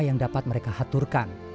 yang dapat mereka haturkan